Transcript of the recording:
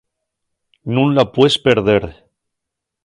Nun la pues perder.